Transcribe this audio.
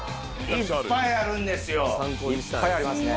うわ！いっぱいありますね。